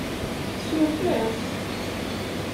Tsuref-as?